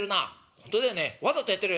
「ほんとだよねわざとやってるよね」。